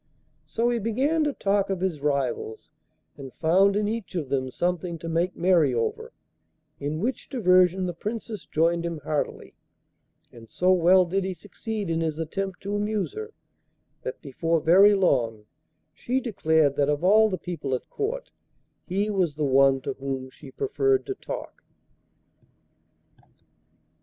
So he began to talk of his rivals, and found in each of them something to make merry over, in which diversion the Princess joined him heartily, and so well did he succeed in his attempt to amuse her that before very long she declared that of all the people at Court he was the one to whom she preferred to talk.